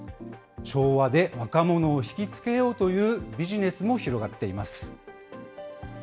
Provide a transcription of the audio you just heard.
昭和で若者を引き付けようというビジネスも広がっています。